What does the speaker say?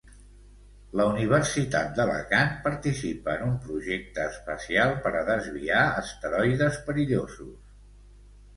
La Universitat d'Alacant participa en un projecte espacial per a desviar asteroides perillosos.